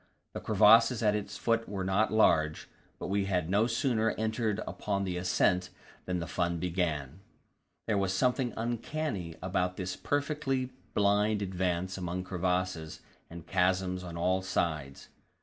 The crevasses at its foot were not large, but we had no sooner entered upon the ascent than the fun began. There was something uncanny about this perfectly blind advance among crevasses and chasms on all sides.